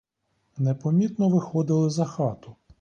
Непомітно виходили за хату.